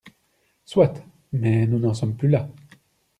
Soit ! Mais nous n’en sommes plus là.